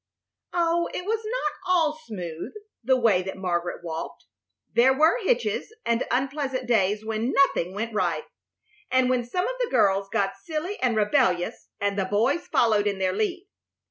Oh, it was not all smooth, the way that Margaret walked. There were hitches, and unpleasant days when nothing went right, and when some of the girls got silly and rebellious, and the boys followed in their lead.